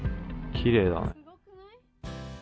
きれいだね。